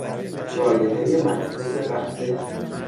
رایحهی محسوس قهوه